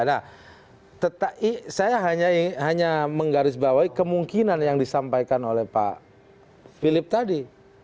nah saya hanya menggarisbawahi kemungkinan yang disampaikan oleh pak philip tadi